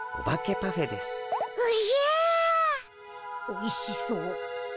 おいしそう。